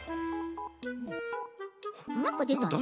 なんかでたね。